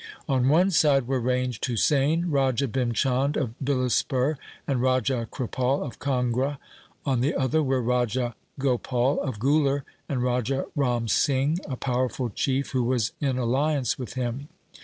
On one side were ranged Husain, Raja Bhim Chand of Bilaspur, and Raja Kripal of Kangra. On the other were Raja Gopal of Guler and Raja Ram Singh, a powerful chief who was in alliance with him.